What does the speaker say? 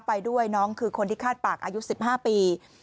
ไปด้วยน้องคือคนที่คาดปากอายุ๑๕ปี